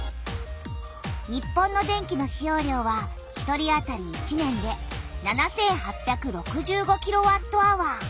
日本の電気の使用量は１人あたり１年で７８６５キロワットアワー。